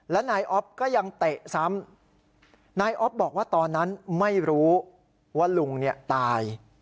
และนายอ๊อฟก็ยังเตะซ้ำนายอ๊อฟบอกว่าตอนนั้นไม่รู้ว่าลุงเนี่ยตาย